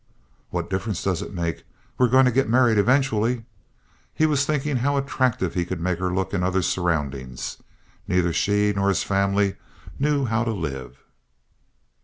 "What difference does it make? We're going to get married eventually." He was thinking how attractive he could make her look in other surroundings. Neither she nor his family knew how to live.